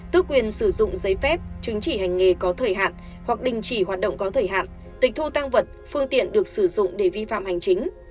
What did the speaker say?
tước quyền sử dụng giấy phép chứng chỉ hành nghề có thời hạn hoặc đình chỉ hoạt động có thời hạn tịch thu tăng vật phương tiện được sử dụng để vi phạm hành chính